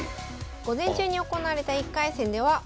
午前中に行われた１回戦では元Ａ級の先崎